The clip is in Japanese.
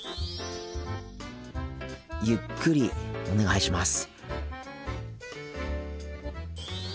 ゆっくりお願いします。